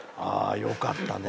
よかったね。